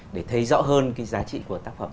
để thấy rõ hơn giá trị của tác phẩm